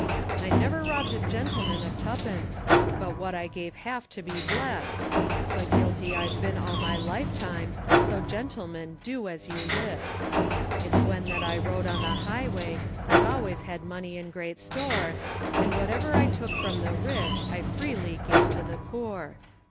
"I never robb'd a gentleman of twopence, But what I gave half to be blest, But guilty I've been all my life time, So gentleman do as you list. "It's when that I rode on the highway, I've always had money in great store, And whatever I took from the rich, I freely gave to the poor.